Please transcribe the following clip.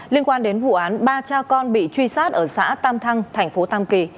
liên quan đến vụ án ba cha con bị truy sát ở xã tam thăng thành phố tam kỳ